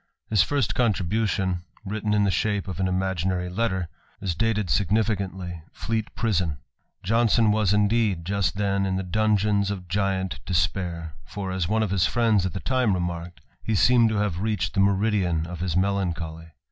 His first contribution, written in th« an imaginary letter, is dated significantly, *' Fleet Prison.*' ^as, indeed, just then in the donjons of Giant Despair, for, his friends at the time remarked, he seemed to have reached ian of his melancholy.